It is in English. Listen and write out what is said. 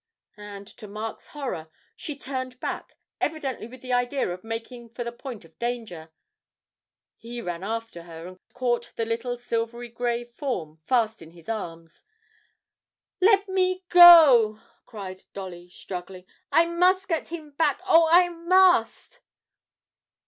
And, to Mark's horror, she turned back, evidently with the idea of making for the point of danger; he ran after her and caught the little silvery grey form fast in his arms. 'Let me go!' cried Dolly, struggling; 'I must get him back oh, I must!'